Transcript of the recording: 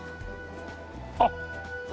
あっ。